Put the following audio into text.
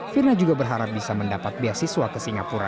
firna juga berharap bisa mendapat beasiswa ke singapura